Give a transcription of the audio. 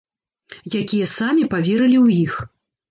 Якія самі паверылі ў іх.